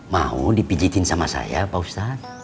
mau dipijitin sama saya pak ustadz